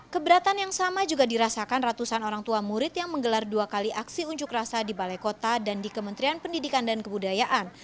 keberatan yang sama juga dirasakan ratusan orang tua murid yang menggelar dua kali aksi unjuk rasa di balai kota dan di kementerian pendidikan dan kebudayaan